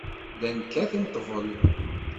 Llan kkaten ḍḍbel.